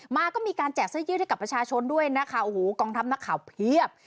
มาก็มีการแจกเสื้อยืดให้กับประชาชนด้วยนะคะโอ้โหกองทัพนักข่าวเพียบ